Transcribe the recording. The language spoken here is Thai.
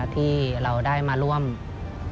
ที่เราได้มาร่วมในกิจกรรมครั้งนี้